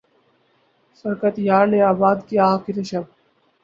فرقت یار نے آباد کیا آخر شب